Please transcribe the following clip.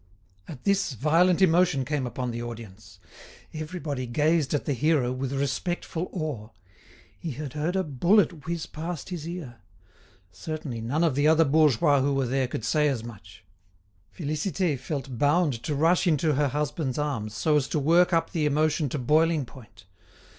At this, violent emotion came upon the audience. Everybody gazed at the hero with respectful awe. He had heard a bullet whiz past his ear! Certainly, none of the other bourgeois who were there could say as much. Félicité felt bound to rush into her husband's arms so as to work up the emotion to boiling point.